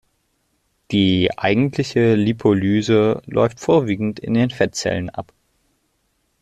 Die eigentliche Lipolyse läuft vorwiegend in den Fettzellen ab.